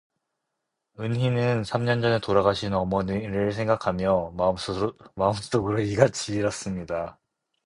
은희는 삼년 전에 돌아가신 어머니를 생각하며 마음속으로 이같이 빌었습니다.